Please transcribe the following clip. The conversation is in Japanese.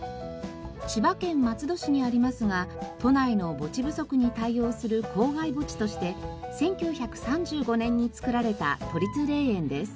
千葉県松戸市にありますが都内の墓地不足に対応する郊外墓地として１９３５年に造られた都立霊園です。